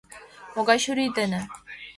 Могай чурий дене?